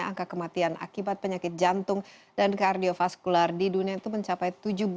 angka kematian akibat penyakit jantung dan kardiofaskular di dunia itu mencapai tujuh belas tiga ratus dua puluh tujuh